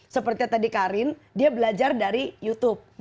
seperti tadi karin dia belajar dari youtube